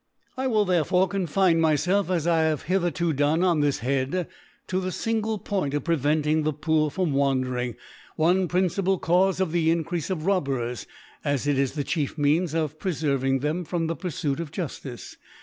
' I will therefore confine myfclf, as I have hitherto done on this Head, to the fingle Point of preventing the Poor from Wan dcring, one principal Caufe of the Increafe of Robbers ; as it is the chief Means of fireferving them from the Purfuit of Juftice.